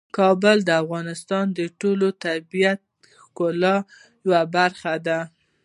کابل د افغانستان د ټول طبیعت د ښکلا یوه برخه ده.